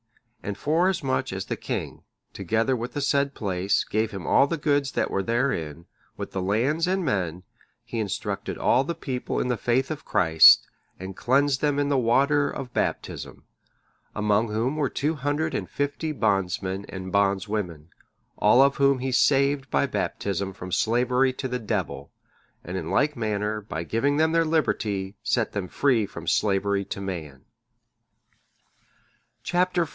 And forasmuch as the king, together with the said place, gave him all the goods that were therein, with the lands and men, he instructed all the people in the faith of Christ, and cleansed them in the water of Baptism. Among whom were two hundred and fifty bondsmen and bondswomen, all of whom he saved by Baptism from slavery to the Devil, and in like manner, by giving them their liberty, set them free from slavery to man. Chap. XIV.